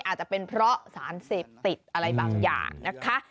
อาจจะเป็นเพราะสารเสพติดอะไรบางอย่างนะคะ